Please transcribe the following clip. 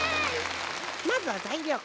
まずはざいりょうから。